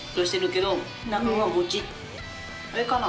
あれかな。